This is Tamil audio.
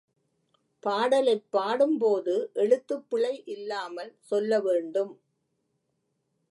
பாடலைப் பாடும்போது எழுத்துப் பிழை இல்லாமல் சொல்ல வேண்டும்.